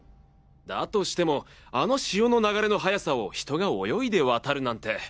だとしてもあの潮の流れの速さを人が泳いで渡るなんて。